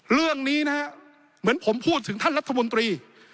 เรื่องนี้นะฮะเหมือนผมพูดถึงท่านรัฐมนตรี